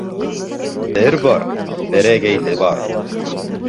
Бер бар, берәгәйле бар.